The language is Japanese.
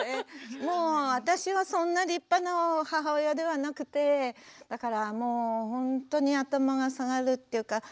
もう私はそんな立派な母親ではなくてだからもうほんとに頭が下がるっていうか。